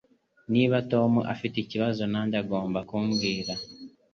Niba Tom afite ikibazo nanjye agomba kumbwira